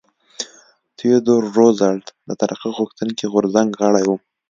تیودور روزولټ د ترقي غوښتونکي غورځنګ غړی و.